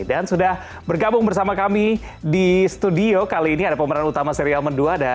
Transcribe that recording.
dan sudah bergabung bersama kami di studio kali ini ada pemeran utama serial mentua dan